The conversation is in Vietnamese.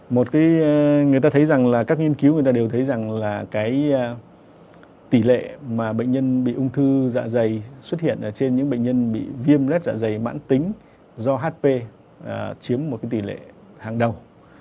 một cái người ta thấy rằng là các nghiên cứu người ta đều thấy rằng là cái tỷ lệ mà bệnh nhân bị ung thư dạ dày xuất hiện ở trên những bệnh nhân bị viêm lết dạ dày mãn tính do hp chiếm một tỷ lệ hàng đầu